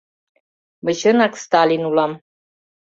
— Мый чынак Сталин улам...